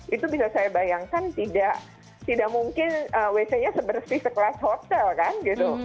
itu bisa saya bayangkan tidak mungkin wc nya sebersih sekelas hotel kan gitu